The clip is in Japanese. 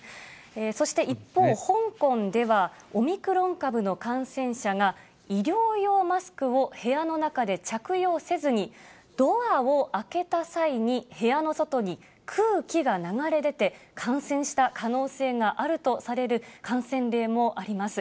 そして一方、香港ではオミクロン株の感染者が、医療用マスクを部屋の中で着用せずに、ドアを開けた際に、部屋の外に空気が流れ出て、感染した可能性があるとされる感染例もあります。